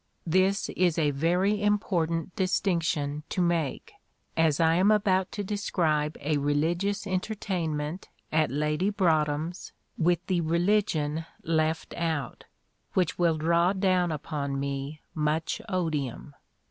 This is a very important distinction to make, as I am about to describe a religious entertainment at Lady Broadhem's with the religion left out, which will draw down upon me much odium.